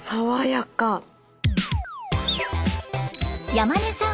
山根さん